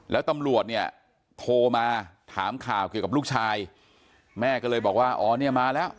แล้วตำรวจเนี่ยโทรมาถามข่าวเกี่ยวกับลูกชายแม่ก็เลยบอกว่าอ๋อเนี่ยมาแล้ว